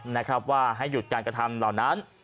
นะครับว่าให้หยุดการกระทำเหล่านั้น